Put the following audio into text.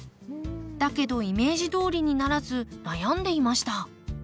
だけどイメージどおりにならず悩んでいました。